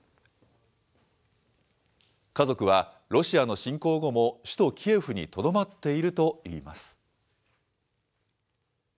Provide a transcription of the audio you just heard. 家族はロシアの侵攻後も、首都キエフにとどまっているといいます。